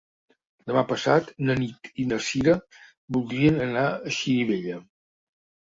Demà passat na Nit i na Cira voldrien anar a Xirivella.